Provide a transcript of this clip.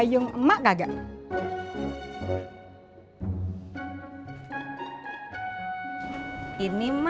romantik udah adopting